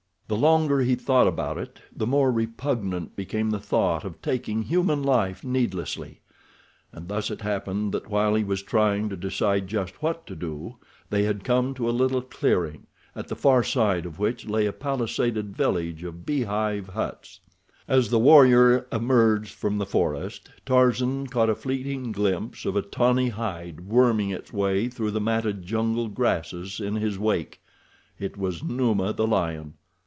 The longer he thought about it, the more repugnant became the thought of taking human life needlessly; and thus it happened that while he was trying to decide just what to do, they had come to a little clearing, at the far side of which lay a palisaded village of beehive huts. As the warrior emerged from the forest, Tarzan caught a fleeting glimpse of a tawny hide worming its way through the matted jungle grasses in his wake—it was Numa, the lion.